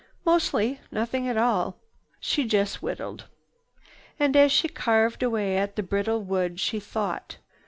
Mostly nothing at all. She just whittled. And as she carved away at the brittle wood, she thought.